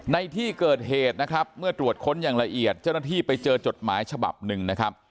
ในที่เกิดเหตุนะครับเมื่อตรวจค้นอย่างละเอียดเจ้าหน้าที่ไปเจอจดหมายฉบับหนึ่งนะครับ